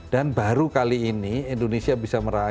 dan baru kali ini indonesia bisa meraih